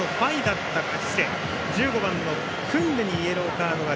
１５番のクンデにイエローカード。